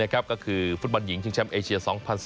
ก็คือฟุตบอลหญิงชิงแชมป์เอเชีย๒๐๑๘